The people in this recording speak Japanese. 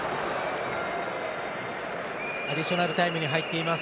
アディショナルタイムに入っています。